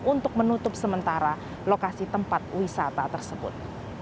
untuk menutup sementara lokasi tempat wisata tersebut